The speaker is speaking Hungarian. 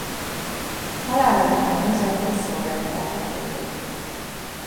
Halála után Jozef Tiso vette át a helyét.